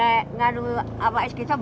enggak ini tidak ada apa apa